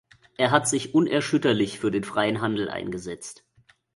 Er hat sich unerschütterlich für den freien Handel eingesetzt.